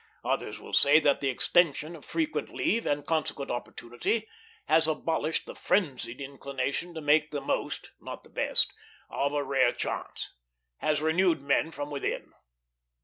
Others will say that the extension of frequent leave, and consequent opportunity, has abolished the frenzied inclination to make the most not the best of a rare chance; has renewed men from within.